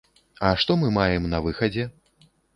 А што мы маем на выхадзе?